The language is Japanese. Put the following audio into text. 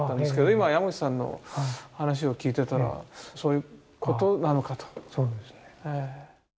今山口さんの話を聞いてたらそういうことなのかと。